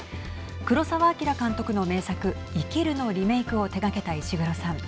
黒澤明監督の名作生きるのリメークを手がけたイシグロさん。